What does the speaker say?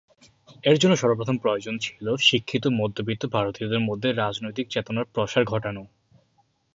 এর জন্য সর্বপ্রথম প্রয়োজন ছিল শিক্ষিত মধ্যবিত্ত ভারতীয়দের মধ্যে রাজনৈতিক চেতনার প্রসার ঘটানো।